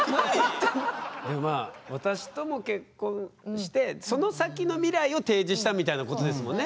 でもまあ私とも結婚してその先の未来を提示したみたいなことですもんね。